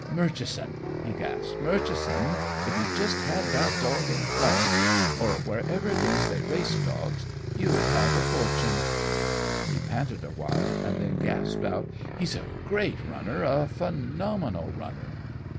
"Murchison," he gasped, "Murchison, if you just had that dog in Florence or wherever it is they race dogs you'd have a fortune." He panted awhile, and then gasped out: "He's a great runner; a phenomenal runner!"